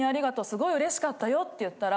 凄い嬉しかったよ」って言ったら。